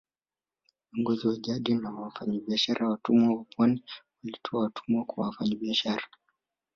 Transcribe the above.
Viongozi wa jadi na wafanyabiashara ya watumwa wa pwani walitoa watumwa kwa wafanyabiashara